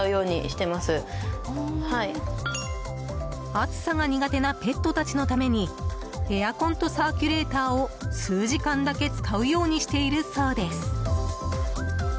暑さが苦手なペットたちのためにエアコンとサーキュレーターを数時間だけ使うようにしているそうです。